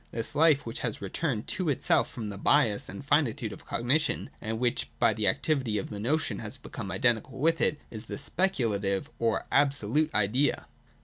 This life which has returned to itself from the bias and finitude of cognition, and which by the activity of the notion has become identical with it, is the Speculative or Absolute Idea.